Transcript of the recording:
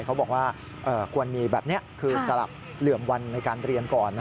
เขาบอกว่าควรมีแบบนี้คือสลับเหลื่อมวันในการเรียนก่อน